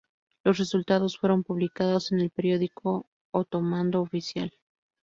Los resultados fueron publicados en el periódico otomano oficial.